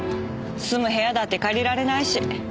住む部屋だって借りられないし。